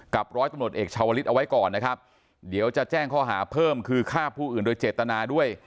ร้อยตำรวจเอกชาวลิศเอาไว้ก่อนนะครับเดี๋ยวจะแจ้งข้อหาเพิ่มคือฆ่าผู้อื่นโดยเจตนาด้วย